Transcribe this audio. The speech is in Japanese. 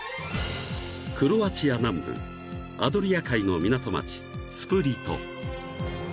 ［クロアチア南部アドリア海の港町スプリト］